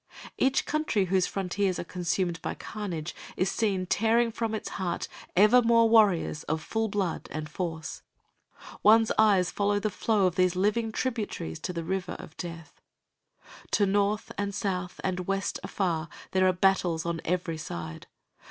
Each country whose frontiers are consumed by carnage is seen tearing from its heart ever more warriors of full blood and force. One's eyes follow the flow of these living tributaries to the River of Death. To north and south and west afar there are battles on every side.